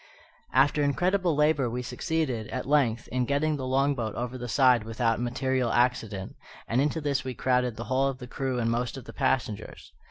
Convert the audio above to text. After incredible labour we succeeded, at length, in getting the long boat over the side without material accident, and into this we crowded the whole of the crew and most of the passengers.